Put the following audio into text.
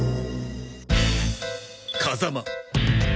風間